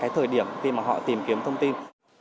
cái thời điểm khi mà họ tìm kiếm thông tin